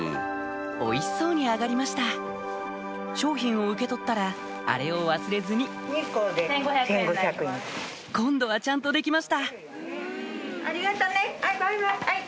おいしそうに揚がりました商品を受け取ったらあれを忘れずに今度はちゃんとできましたバイバイ！